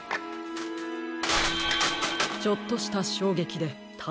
ちょっとしたしょうげきでたおれます。